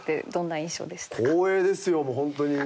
光栄ですよもうホントに。